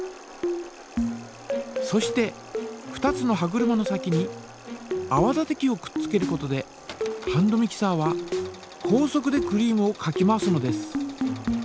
そして２つの歯車の先にあわ立て器をくっつけることでハンドミキサーは高速でクリームをかき回すのです。